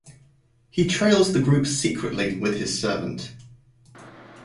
He trails the group secretly with his servant.